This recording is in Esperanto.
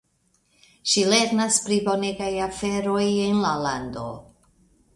Ŝi lernas pri bonegaj aferoj en la lando.